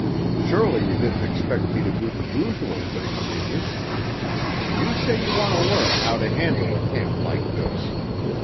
"Surely you didn't expect me to do the usual thing, did you? You say you want to learn how to handle a camp like this.